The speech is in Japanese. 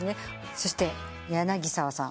そして柳沢さん。